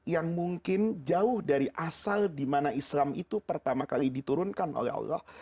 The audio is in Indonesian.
yang mungkin jauh dari asal dimana islam itu pertama kali diturunkan oleh allah